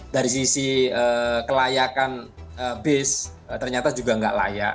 dari sisi kelayakan bis ternyata juga nggak layak